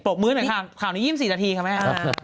บมือหน่อยค่ะข่าวนี้๒๔นาทีค่ะแม่